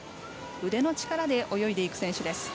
腕の力で泳いでいく選手です。